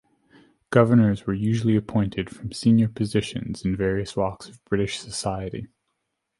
Governors were usually appointed from senior positions in various walks of British society.